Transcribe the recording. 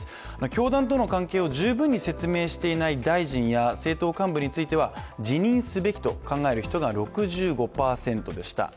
教団との関係を十分に説明していない大臣や政党幹部については辞任すべきと考えている人が６５％でした。